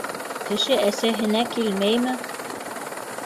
Кеше әсәһенә килмәйме?